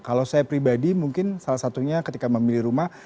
kalau saya pribadi mungkin salah satunya ketika memilih rumah